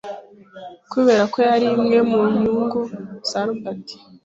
kubera ko yari imwe mu nyungu za Robert